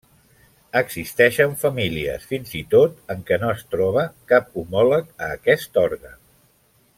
Existeixen famílies, fins i tot, en què no es troba cap homòleg a aquest òrgan.